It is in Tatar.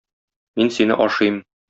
Мин сине ашыйм.